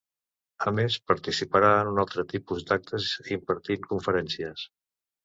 A més participarà en un altre tipus d'actes impartint conferències.